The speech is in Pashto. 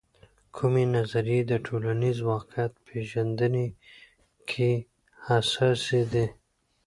کومې نظریې د ټولنیز واقعیت پیژندنې کې حساسې دي؟